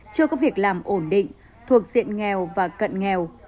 chưa có việc làm ổn định thuộc diện nghèo và cận nghèo